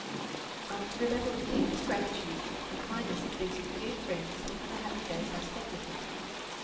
I remember with deepest gratitude the kindness of these dear friends and the happy days I spent with them.